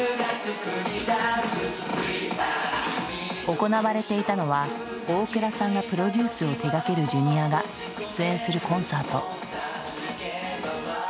行われていたのは大倉さんがプロデュースを手がけるＪｒ．が出演するコンサート。